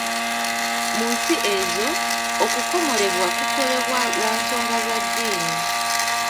Mu nsi ezo okukomolebwa kukolebwa lwa nsonga za ddiini